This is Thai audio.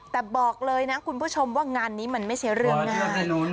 แต่บอกเลยนะคุณผู้ชมว่างานนี้มันไม่ใช่เรื่องง่าย